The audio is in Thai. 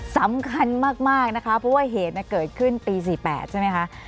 สำคัญมากนะคะเพราะว่าเหตุเกิดขึ้นปี๔๘ใช่ไหมคะ